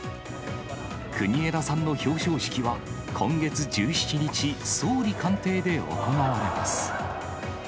国枝さんの表彰式は今月１７日、総理官邸で行われます。